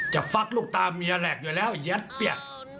ฟักลูกตาเมียแหลกอยู่แล้วยัดเปียก